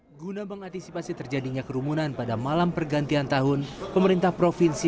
hai guna mengantisipasi terjadinya kerumunan pada malam pergantian tahun pemerintah provinsi